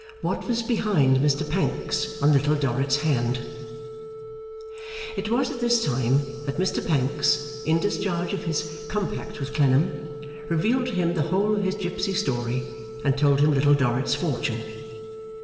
What was behind Mr Pancks on Little Dorrit's Hand It was at this time that Mr Pancks, in discharge of his compact with Clennam, revealed to him the whole of his gipsy story, and told him Little Dorrit's fortune.